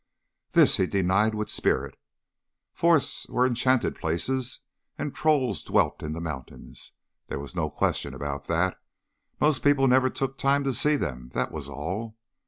This he denied with spirit. Forests were enchanted places, and trolls dwelt in the mountains. There was no question about that; most people never took time to see them, that was all.